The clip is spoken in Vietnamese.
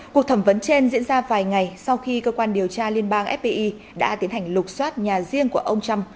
cuộc thẩm vấn trên diễn ra vài ngày sau khi cơ quan điều tra liên bang fbi đã tiến hành lục xoát nhà riêng của ông trump